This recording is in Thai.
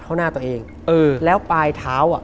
เข้าหน้าตัวเองเออแล้วปลายเท้าอ่ะ